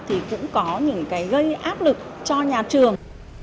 thì cũng có những cái gây áp lực cho nhà trường